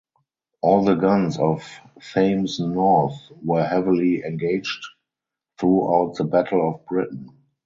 All the guns of Thames North were heavily engaged throughout the Battle of Britain.